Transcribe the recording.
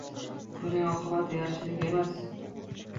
Buning oqibati yaxshilik emas.